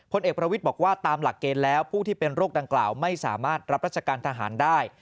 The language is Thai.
เอกประวิทย์บอกว่าตามหลักเกณฑ์แล้วผู้ที่เป็นโรคดังกล่าวไม่สามารถรับราชการทหารได้